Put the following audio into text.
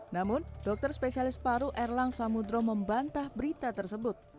namun dokter spesialis paru erlang samudro membantah berita tersebut